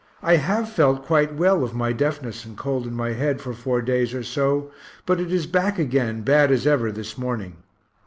I have felt quite well of my deafness and cold in my head for four days or so, but it is back again bad as ever this morning.